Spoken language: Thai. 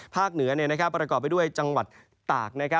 เหนือประกอบไปด้วยจังหวัดตาก